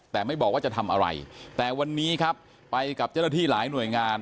แต่ไม่บอกว่าจะทำอะไรแต่วันนี้ครับไปกับเจ้าหน้าที่หลายหน่วยงาน